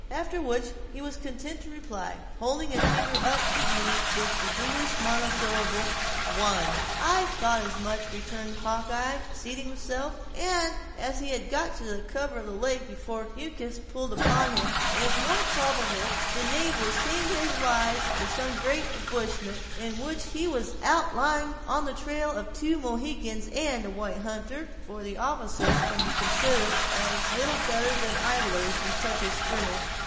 After which he was content to reply, holding a single finger up to view, with the English monosyllable: "One." "I thought as much," returned Hawkeye, seating himself; "and as he had got the cover of the lake afore Uncas pulled upon him, it is more than probable the knave will sing his lies about some great ambushment, in which he was outlying on the trail of two Mohicans and a white hunter—for the officers can be considered as little better than idlers in such a scrimmage.